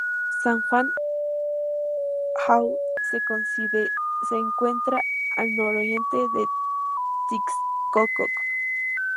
San Juan Hau se encuentra al nororiente de Tixkokob.